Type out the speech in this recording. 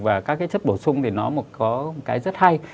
và các chất bổ sung thì nó có một cái rất hay